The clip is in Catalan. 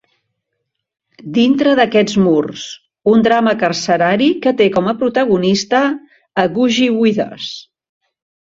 "Dintre d'aquests murs", un drama carcerari que té com protagonista a Googie Withers.